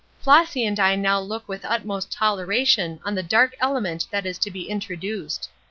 "Flossy and I now look with utmost toleration on the dark element that is to be introduced.